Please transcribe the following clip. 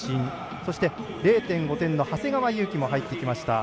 そして、０．５点の長谷川勇基も入ってきました。